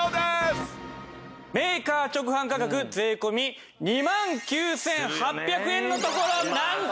メーカー直販価格税込２万９８００円のところなんと。